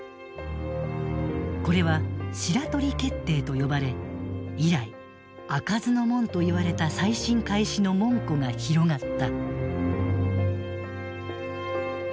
これは「白鳥決定」と呼ばれ以来開かずの門といわれた再審開始の門戸が広がった。